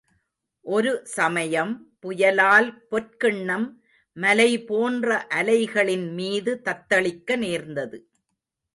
ஒரு சமயம், புயலால் பொற்கிண்ணம் மலை போன்ற அலைகளின் மீது தத்தளிக்க நேர்ந்தது.